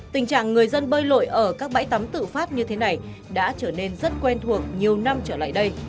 tình trạng người dân bơi lội ở các bãi tắm tự phát như thế này đã trở nên rất quen thuộc nhiều năm trở lại đây